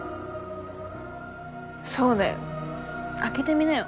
そうだよ開けてみなよ。